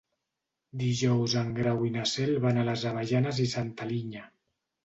Dijous en Grau i na Cel van a les Avellanes i Santa Linya.